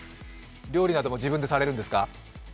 料理なども自分でされるんですか？